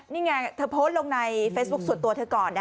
นี่ไงเธอโพสต์ลงในเฟซบุ๊คส่วนตัวเธอก่อน